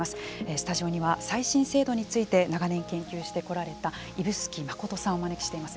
スタジオには再審制度について長年研究してこられた指宿信さんをお招きしています。